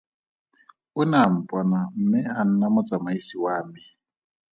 O ne a mpona mme a nna motsamaisi wa me.